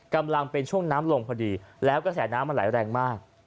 กำลังเป็นช่วงน้ำลงพอดีแล้วกระแสน้ำมันไหลแรงมาก